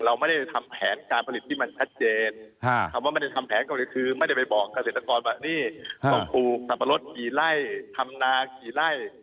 เราไม่ได้ทำแผนการผลิตที่มันชัดเจนต้องการปลูกทรัพย์สับปะรดกี่ไล่ทำนากี่ไล่